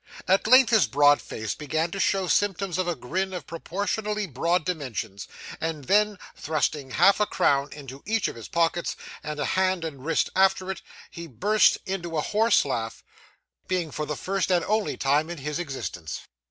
At length his broad face began to show symptoms of a grin of proportionately broad dimensions; and then, thrusting half a crown into each of his pockets, and a hand and wrist after it, he burst into a horse laugh: being for the first and only time in his existence.